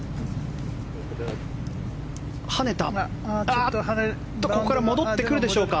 ここから戻ってくるでしょうか。